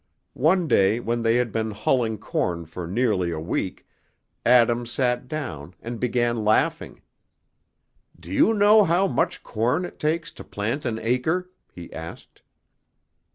One day when they had been hulling corn for nearly a week, Adam sat down and began laughing. "Do you know how much corn it takes to plant an acre?" he asked.